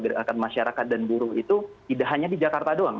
gerakan masyarakat dan buruh itu tidak hanya di jakarta doang